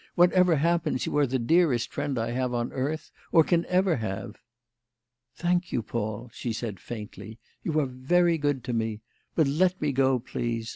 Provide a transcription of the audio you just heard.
Whatever happens, you are the dearest friend I have on earth, or can ever have." "Thank you, Paul," she said faintly. "You are very good to me. But let me go, please.